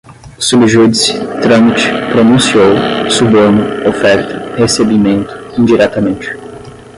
sub judice, trâmite, pronunciou, suborno, oferta, recebimento, indiretamente